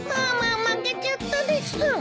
ママ負けちゃったです。